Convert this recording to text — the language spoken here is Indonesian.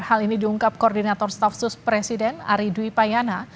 hal ini diungkap koordinator staf sus presiden ari dwi payana